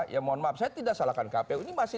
ya mohon maaf saya tidak salahkan kpu ini masih